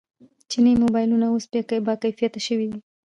چیني موبایلونه اوس باکیفیته شوي دي.